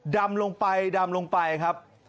ดำลงไปครับ